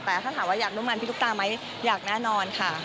แต่ถ้าถามว่าอยากนุ่งมันพี่ตุ๊กตาไหมอยากแน่นอนค่ะ